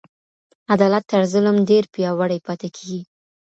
عدالت تر ظلم ډیر پیاوړی پاته کیږي.